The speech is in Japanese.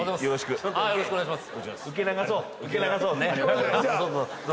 今「よろしくお願いします」